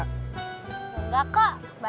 enggak kok baru